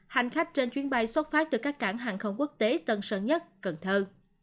hành khách trên chuyến bay xuất phát từ các cảng hàng không quốc tế tân sơn nhất cần thơ